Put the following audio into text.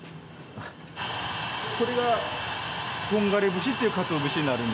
これが本枯節っていうカツオ節になるんです。